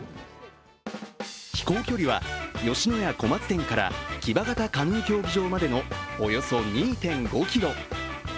飛行距離は吉野家小松店から木場潟カヌー競技場までのおよそ２．５ｋｍ。